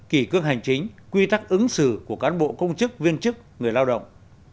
kỳ cương hành chính quy tắc ứng xử của cán bộ công chức viên chức người lao động